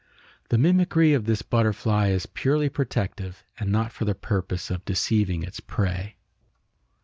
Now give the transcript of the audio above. The mimicry of this butterfly is purely protective and not for the purpose of deceiving its prey.